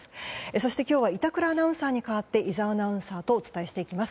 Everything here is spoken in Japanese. そして、今日は板倉アナウンサーに代わって井澤アナウンサーとお伝えしていきます。